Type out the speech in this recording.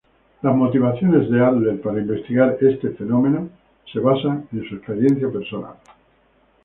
Las motivaciones de Adler para investigar este fenómeno se originan en su experiencia personal.